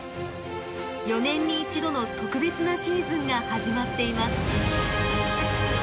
４年に一度の特別なシーズンが始まっています。